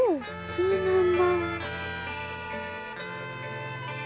そうなんだ！